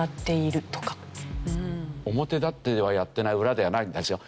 表立ってはやってない裏ではないんですよ。